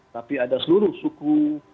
tapi ada seluruh suku